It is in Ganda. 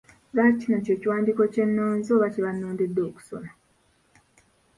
Lwaki kino kye kiwandiiko kye nnonze oba kye bannondedde okusoma?